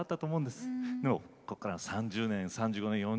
でもここから３０年３５年４０年とね。